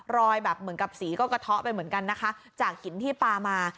แบบเหมือนกับสีก็กระเทาะไปเหมือนกันนะคะจากหินที่ปลามา